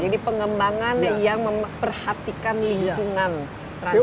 jadi pengembangan yang memperhatikan lingkungan transitnya